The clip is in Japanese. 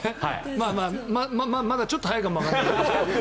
まあ、まだちょっと早いかもわからないけど。